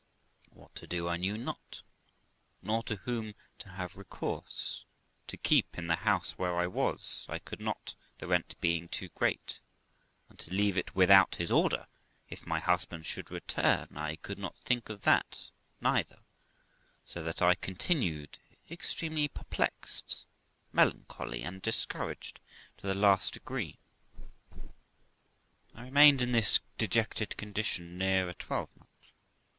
What to do I knew not, nor to whom to have recourse: to keep in the house where I was, I could not, the rent being too great; and to leave it without his orders, if my husband should return, I could not think of that neither; so that I continued extremely perplexed, melancholy, and discouraged to the last degree. I remained in this dejected condition near a twelvemonth.